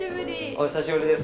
お久しぶりです。